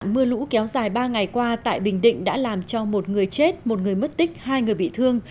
mưa lũ kéo dài ba ngày qua tại bình định đã làm cho một người chết một người mất tích hai người bị thương